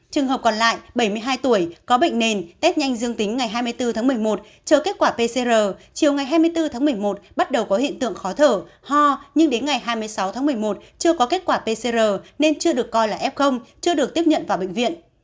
trường hợp còn lại bảy mươi hai tuổi có bệnh nền tết nhanh dương tính ngày hai mươi bốn tháng một mươi một chờ kết quả pcr chiều ngày hai mươi bốn tháng một mươi một bắt đầu có hiện tượng khó thở ho nhưng đến ngày hai mươi sáu tháng một mươi một chưa có kết quả pcr nên chưa được coi là f chưa được tiếp nhận vào bệnh viện